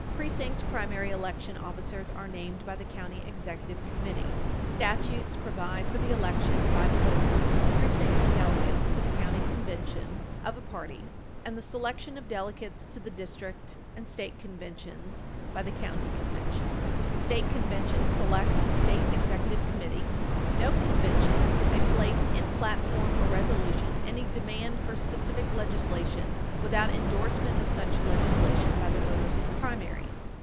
Precinct primary election officers are named by the county executive committee. Statutes provide for the election by the voters of precinct Page 321 U. S. 663 delegates to the county convention of a party and the selection of delegates to the district and state conventions by the county convention. The state convention selects the state executive committee. No convention may place in platform or resolution any demand for specific legislation without endorsement of such legislation by the voters in a primary.